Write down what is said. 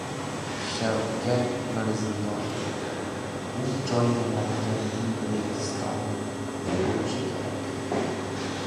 Shavkat Mirziyoyev: Bu joy «Namanganning Registoni» bo‘lishi kerak